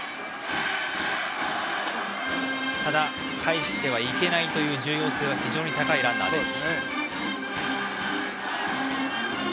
かえしてはいけないという重要性は高いランナーです。